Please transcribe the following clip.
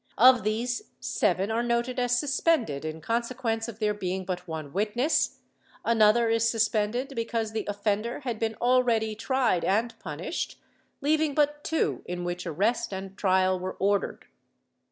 Of these seven are noted as suspended in consequence of there being but one witness 5 another is suspended because the offender had been already tried and punished, leaving but two in which arrest and trial were ordered.